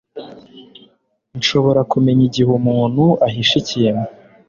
Nshobora kumenya igihe umuntu ahishe ikintu.